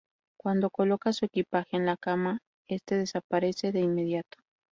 Cuando coloca su equipaje en la cama, este desaparece de inmediato.